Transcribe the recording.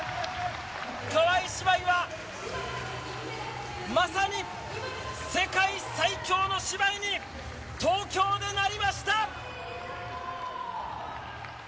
川井姉妹はまさに世界最強の姉妹に東京でなりました！